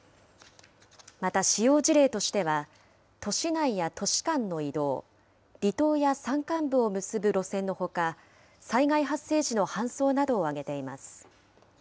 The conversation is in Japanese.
また、使用事例としては、都市内や都市間の移動、離島や山間部を結ぶ路線のほか、災害発生時の搬送などを挙げています。